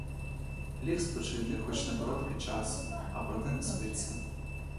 Ліг спочити, хоч на короткий час, а проте не спиться.